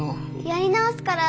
やり直すから。